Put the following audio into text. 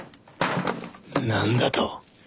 何だと？